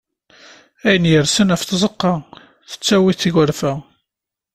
Ayen irsen ɣef tzeqqa, tettawi-t tgerfa.